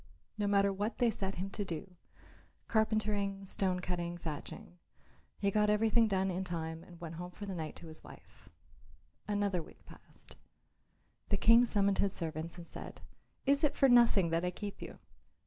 No matter what they set him to do carpentering, stone cutting, thatching he got everything done in time and went home for the night to his wife. Another week passed. The King summoned his servants and said, "Is it for nothing that I keep you?